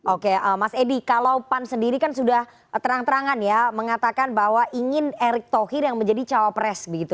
oke mas edi kalau pan sendiri kan sudah terang terangan ya mengatakan bahwa ingin erick thohir yang menjadi cawapres